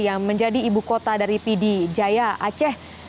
yang menjadi ibu kota dari pd jaya aceh